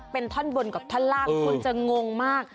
เป็นท่อนบนกับท่อนล่างคุณจะงงมาก